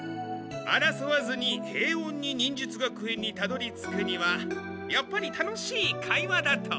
あらそわずに平おんに忍術学園にたどりつくにはやっぱり楽しい会話だと。